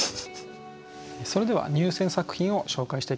それでは入選作品を紹介していきましょう。